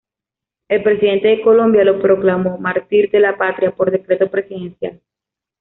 El presidente de Colombia lo proclamó "Mártir de la Patria" por decreto presidencial.